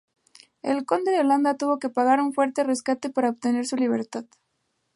El conde de Holanda tuvo que pagar un fuerte rescate para obtener su libertad.